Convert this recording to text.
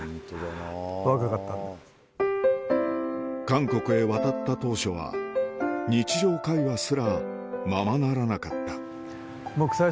韓国へ渡った当初は日常会話すらままならなかっただって